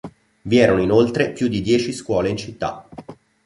Vi erano inoltre più di dieci scuole in città.